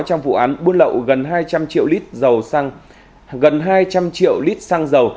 trong vụ án buôn lậu gần hai trăm linh triệu lít xăng dầu